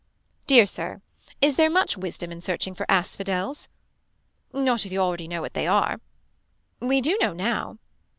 Dear Sir. Is there much wisdom in searching for asphodels. Not if you already know what they are. We do know now.